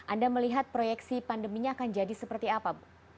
anda melihat proyeksi pandeminya akan jadi seperti apa bu